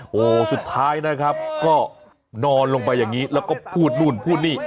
โหสุดท้ายนะครับก็นอนลงไปอย่างนี้แล้วก็พูดนู่นพูดนี่